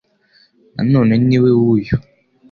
Na none ni we w'uyu